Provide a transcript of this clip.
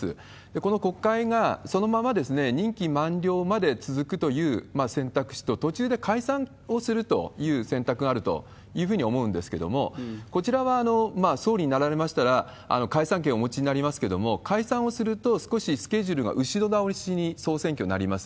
この国会がそのまま任期満了まで続くという選択肢と、途中で解散をするという選択があるというふうに思うんですけれども、こちらは総理になられましたら解散権をお持ちになりますけれども、解散をすると、少しスケジュールが後ろ倒しに総選挙になります。